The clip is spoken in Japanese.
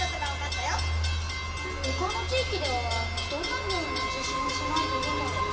ほかの地域ではどんなふうに地震にそなえているんだろう？